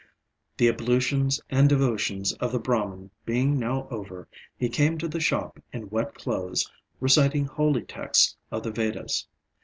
The ablutions and devotions of the Brahman being now over, he came to the shop in wet clothes reciting holy texts of the Vedas.